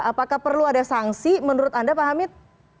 apakah perlu ada sanksi menurut anda pak hamid